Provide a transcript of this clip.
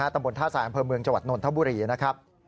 ตำรวจท่าสายอำเภอเมืองจวัดนทบุรีนะครับ